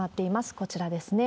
こちらですね。